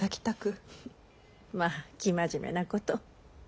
まぁ生真面目なこと。